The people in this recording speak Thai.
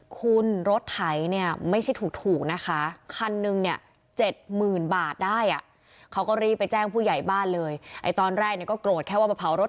ก็ถึงเกี่ยวกับ